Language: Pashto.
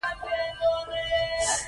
هڅې زموږ د سترګو په وړاندې انځوروي.